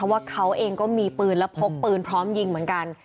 ไฟวุรัยเอ็งก็มีปืนแล้วพกปืนพร้อมยิงเหมือนกัน